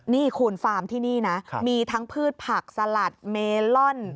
นี่คูณฟาร์มที่นี่นะมีทั้งพืชผักสลัดเมลอน